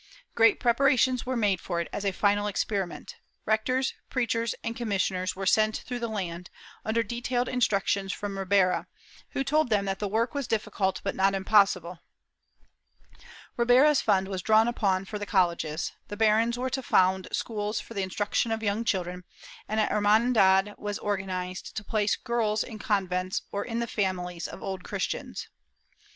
Great preparations were made for it as for a final experiment; rectors, preachers and commissioners were sent through the land, under detailed instruc tions from Ribera, who told them that the work was difficult but not impossible; Ribera's fund was drawn upon for the colleges; the barons were to found schools for the instruction of young children, and a hermandad was organized to place girls in con vents or in the families of Old Christians.